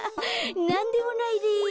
なんでもないです。